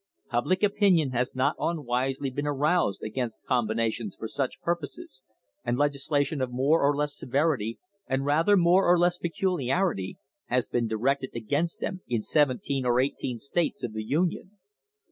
Public opinion has not unwisely been aroused against combinations for such purposes, and legislation of more or less severity, and rather more or less peculiarity, has been directed against them in seventeen or eighteen states of the Union.